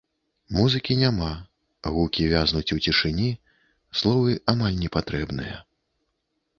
Музыкі няма, гукі вязнуць у цішыні, словы амаль не патрэбныя.